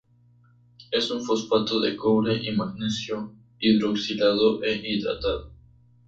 Es un fosfato de cobre y magnesio, hidroxilado e hidratado.